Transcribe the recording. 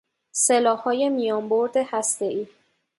سلاحهای میان برد هستهای